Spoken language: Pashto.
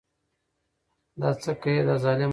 دا څه که يې دا ظالم هسې نه .